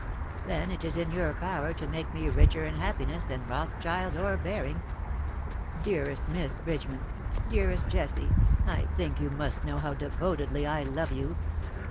" Then it is in your power to make me richer in happiness than Eothschild or Baring. Dearest Miss Bridgeman, dearest Jessie, I think you must know how devotedly I love you